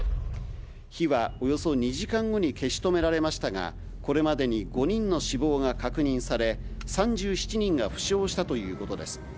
火はおよそ２時間後に消し止められましたが、これまでに５人の死亡が確認され、３７人が負傷したということです。